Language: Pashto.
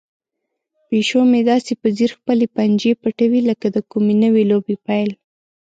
پیشو مې داسې په ځیر خپلې پنجې پټوي لکه د کومې نوې لوبې پیل.